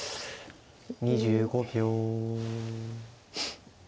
２５秒。